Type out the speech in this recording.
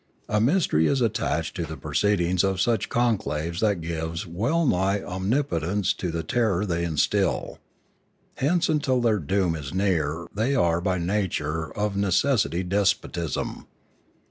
A mystery is at tached to the proceedings of such conclaves that gives well nigh omnipotence to the terror they instil. Hence until their doom is near they are by nature and of ne cessity despotism.